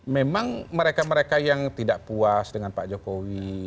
memang mereka mereka yang tidak puas dengan pak jokowi